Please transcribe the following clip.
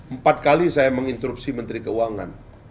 empat kali saya menginterupsi menteri keuangan